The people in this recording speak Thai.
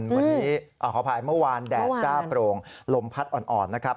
วันนี้ขออภัยเมื่อวานแดดจ้าโปร่งลมพัดอ่อนนะครับ